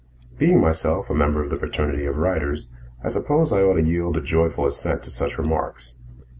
Being myself a member of the fraternity of writers, I suppose I ought to yield a joyful assent to such remarks.